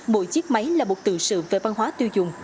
mỗi chiếc máy là một tự sự về văn hóa tiêu dùng